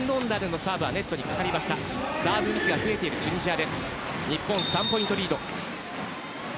サーブミスが増えているチュニジア。